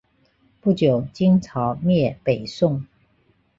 不久金朝灭北宋。